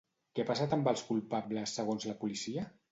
Què ha passat amb els culpables segons la policia?